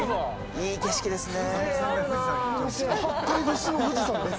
いい景色ですね。